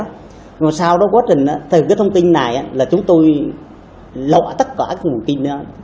nhưng mà sau đó quá trình từ cái thông tin này là chúng tôi lọa tất cả các nguồn kinh đó